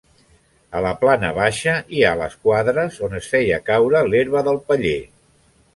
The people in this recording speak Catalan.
A la plana baixa hi ha les quadres on es feia caure l'herba del paller.